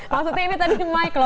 maksudnya ini tadi mic loh